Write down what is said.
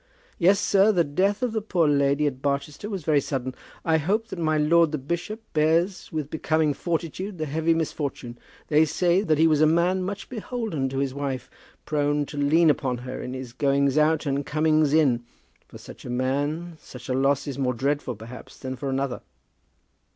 Yes, sir, the death of the poor lady at Barchester was very sudden. I hope that my lord the bishop bears with becoming fortitude the heavy misfortune. They say that he was a man much beholden to his wife, prone to lean upon her in his goings out and comings in. For such a man such a loss is more dreadful perhaps than for another."